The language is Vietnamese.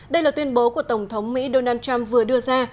đây là tuyên bố của tổng thống mỹ donald trump vừa đưa ra